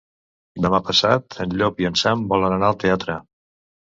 Demà passat en Llop i en Sam volen anar al teatre.